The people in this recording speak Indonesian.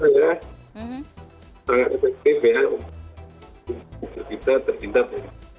sangat efektif ya untuk kita terpintas